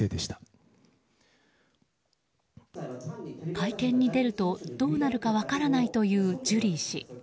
会見に出るとどうなるか分からないというジュリー氏。